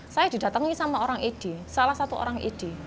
saya didatangi sama orang id salah satu orang id